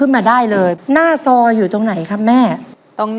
แล้ววันนี้ผมมีสิ่งหนึ่งนะครับเป็นตัวแทนกำลังใจจากผมเล็กน้อยครับ